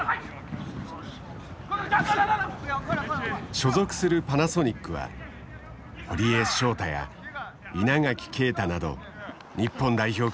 所属するパナソニックは堀江翔太や稲垣啓太など日本代表クラスが名を連ねる。